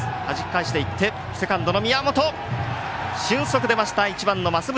俊足出ました、１番の増渕。